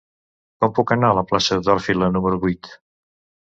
Com puc anar a la plaça d'Orfila número vuit?